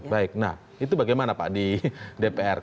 baik nah itu bagaimana pak di dpr